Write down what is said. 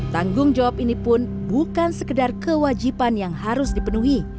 tanggung jawab ini pun bukan sekedar kewajiban yang harus dipenuhi